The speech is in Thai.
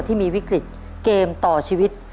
ที่มีวิกฤตเกมต่อชีวิต